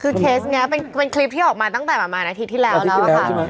คือเคสเนี้ยเป็นคลิปที่ออกมาตั้งแต่ประมาณอาทิตย์ที่แล้วแล้วค่ะอาทิตย์ที่แล้วใช่ไหม